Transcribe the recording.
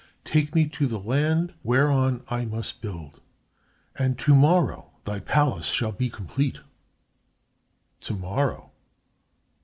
"Take me to the land whereon I must build, and to morrow thy palace shall be complete." "Tomorrow!"